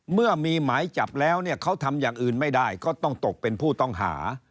เมื่อมีหมายจับแล้วเนี่ยเขาทำอย่างอื่นไม่ได้ก็ต้องตกเป็นผู้ต้องหา